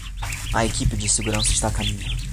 A equipe de segurança está a caminho.